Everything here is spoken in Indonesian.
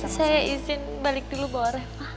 saya izin balik dulu bawa reva